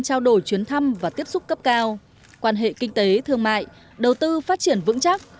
trao đổi chuyến thăm và tiếp xúc cấp cao quan hệ kinh tế thương mại đầu tư phát triển vững chắc